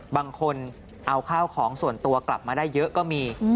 บางคนเอาข้าวของส่วนตัวกลับมาได้เยอะก็มี